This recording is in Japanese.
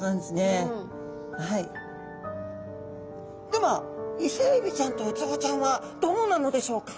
ではイセエビちゃんとウツボちゃんはどうなのでしょうか？